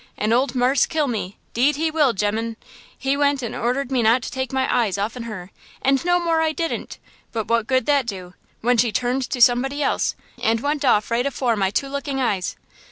and ole marse kill me! 'deed he will, gemmen! He went and ordered me not to take my eyes offen her, and no more I didn't! But what good that do, when she turned to somebody else, and went off right afore my two looking eyes?